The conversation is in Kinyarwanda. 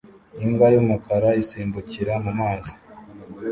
imbwa y'umukara isimbukira mu mazi